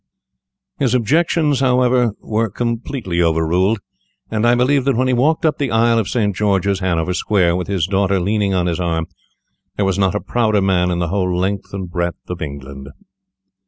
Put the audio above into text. His objections, however, were completely overruled, and I believe that when he walked up the aisle of St. George's, Hanover Square, with his daughter leaning on his arm, there was not a prouder man in the whole length and breadth of England.